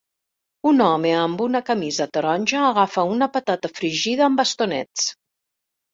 Un home amb una camisa taronja agafa una patata fregida amb bastonets.